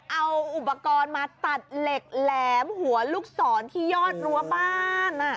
เอาอุปกรณ์มาตัดเหล็กแหลมหัวลูกศรที่ยอดรั้วบ้าน